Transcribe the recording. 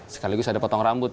sekaligus ada potong rambut